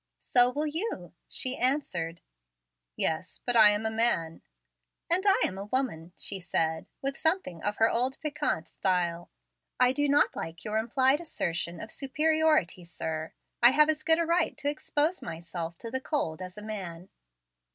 "So will you," she answered. "Yes, but I am a man." "And I am a woman," she said, with something of her old piquant style. "I do not like your implied assertion of superiority, sir. I have as good a right to expose myself to the cold as a man."